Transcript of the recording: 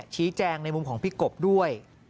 ชี้แจงในมุมของพี่กบด้วย